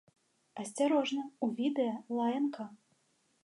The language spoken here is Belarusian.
Асцярожна, у відэа лаянка!